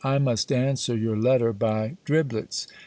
I must answer your letter by driblets.